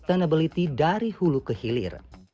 menerapkan konsep sustainability dari hulu ke hilir